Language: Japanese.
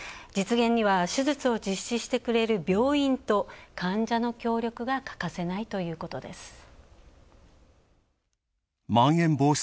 実現には手術を実施してくれる病院と、患者の協力が欠かせないということです。